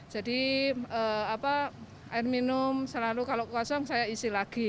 jadi air minum selalu kalau kosong saya isi lagi